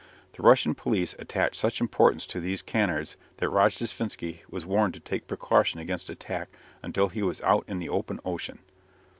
The Russian police attached such importance to these canards that Rojdestvensky was warned to take precaution against attack until he was out on the open ocean.